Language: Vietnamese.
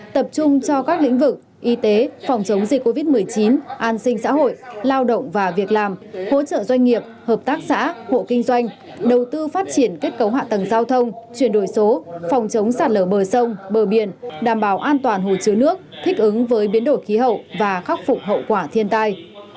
tập trung cho các lĩnh vực y tế phòng chống dịch covid một mươi chín an sinh xã hội lao động và việc làm hỗ trợ doanh nghiệp hợp tác xã hộ kinh doanh đầu tư phát triển kết cấu hạ tầng giao thông chuyển đổi số phòng chống sạt lở bờ sông bờ biển đảm bảo an toàn hồ chứa nước thích ứng với biến đổi khí hậu và khắc phục hậu quả thiên tai